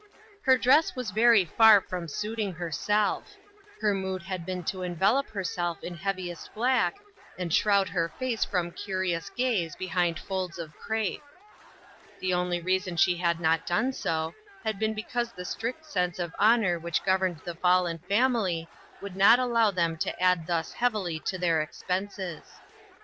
Her dress was very far from suiting her 68 INTERRUPTED. self. Her mood had been to envelop herself in heaviest black, and shroud her face from curious gaze behind folds of crape. The only reason she had not done so, had been be cause the strict sense of honor which gov erned the fallen family would not allow them to add thus heavily to their expenses.